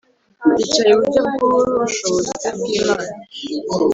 yicaye iburyo bw ubushobozi bw Imana